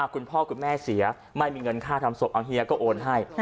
คุณพ่อคุณแม่เสียไม่มีเงินค่าทำศพเอาเฮียก็โอนให้